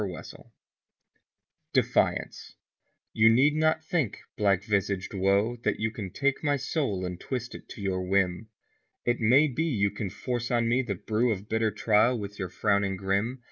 March First DEFIANCE \7X)U need not think, black visaged Woe, that you Can take my soul and twist it to your whim. It may be you can force on me the brew Of bitter trial with your frowning grim.